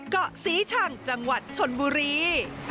เกาะศรีชังจังหวัดชนบุรี